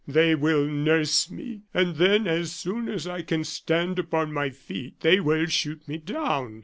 They will nurse me, and then, as soon as I can stand upon my feet, they will shoot me down.